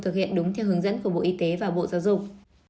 thực hiện đúng theo hướng dẫn của bộ y tế và bộ giáo dục